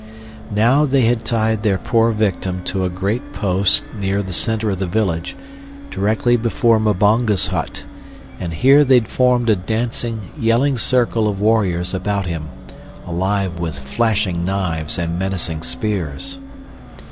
Now they had tied their poor victim to a great post near the center of the village, directly before Mbonga's hut, and here they formed a dancing, yelling circle of warriors about him, alive with flashing knives and menacing spears.